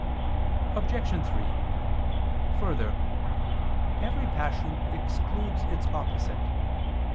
Obj. 3: Further, every passion excludes its opposite.